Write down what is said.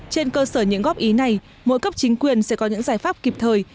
trên cơ sở những góp ý này mỗi cấp chính quyền sẽ có những giải pháp kịp thời